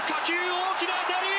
大きな当たり！